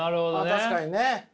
確かにね。